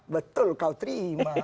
betul kau terima